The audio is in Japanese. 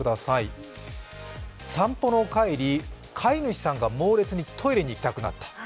散歩の帰り、飼い主さんが猛烈にトイレに行きたくなった。